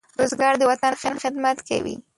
بزګر د وطن خدمت کوي